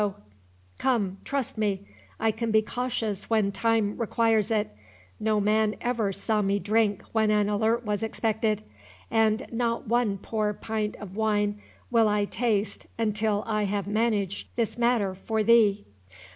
—Come, trust me; I can be cautious when time requires it—no man ever saw me drink when an alert was expected—and not one poor pint of wine will I taste until I have managed this matter for thee.